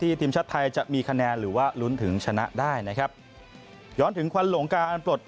ทีมชาติไทยจะมีคะแนนหรือว่าลุ้นถึงชนะได้นะครับย้อนถึงควันหลงกาอันปลด